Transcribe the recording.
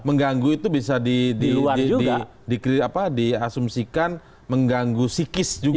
mengganggu itu bisa di asumsikan mengganggu sikis juga